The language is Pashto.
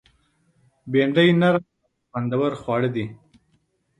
بېنډۍ نرم او خوندور خواړه دي